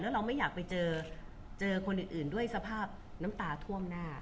แล้วเราไม่อยากไปเจอเจอคนอื่นด้วยสภาพน้ำตาท่วมหน้า